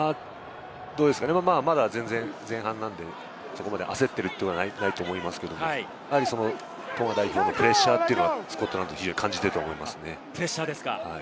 どうですかね、でもまだ前半なので、そこまで焦っていることはないと思いますけれども、やはりトンガ代表のプレッシャーというのを非常にスコットランド代表は感じていると思います。